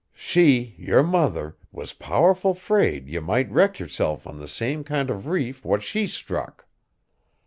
She, yer mother, was powerful 'fraid ye might wreck yerself on the same kind o' reef what she struck.